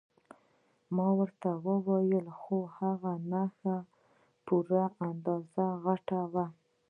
ما ورته وویل هو هغه ښه په پوره اندازه غټ وو.